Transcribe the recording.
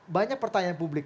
banyak pertanyaan publik